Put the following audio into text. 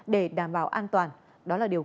để đảm bảo an toàn đó là điều